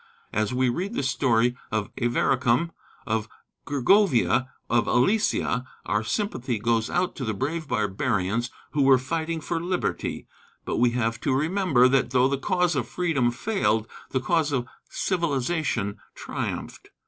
As we read the story of Avaricum, of Gergovia, of Alesia, our sympathy goes out to the brave barbarians who were fighting for liberty but we have to remember that though the cause of freedom failed, the cause of civilization triumphed.